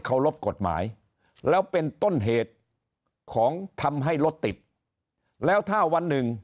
เขารบกฎหมายแล้วเป็นต้นเหตุของทำให้รถติดแล้วถ้าวันหนึ่ง